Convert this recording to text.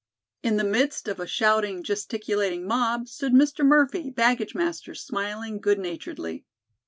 In the midst of a shouting, gesticulating mob stood Mr. Murphy, baggage master, smiling good naturedly.